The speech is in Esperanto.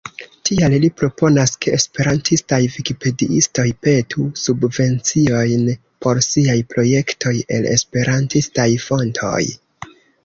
Tial li proponas, ke esperantistaj vikipediistoj petu subvenciojn por siaj projektoj el esperantistaj fontoj.